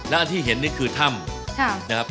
แล้วที่เห็นนี่คือถ้ำ